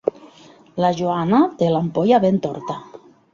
La Joana té l'ampolla ben torta.